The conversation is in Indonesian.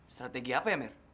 strategi apa ya mer